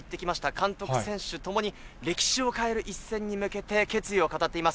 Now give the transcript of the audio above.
監督、選手ともに歴史を変える一戦に向けて、決意を語っています。